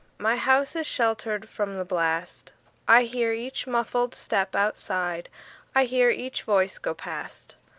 My house is sheltered from the blast.I hear each muffled step outside,I hear each voice go past.